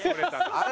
あれ？